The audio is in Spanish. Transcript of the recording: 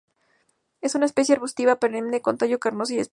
Es una especie arbustiva perenne con tallo carnoso y espinoso.